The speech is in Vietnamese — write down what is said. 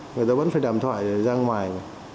người ta vẫn phải đàm thoại ra ngoài